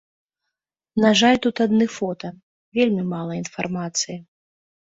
На жаль тут адны фота, вельмі мала інфармацыі.